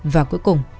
và cuối cùng